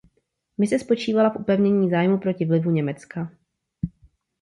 Mise spočívala v upevnění zájmů proti vlivu Německa.